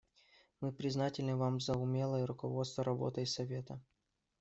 Мы признательны Вам за умелое руководство работой Совета.